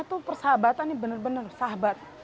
lima itu persahabatan bener bener sahabat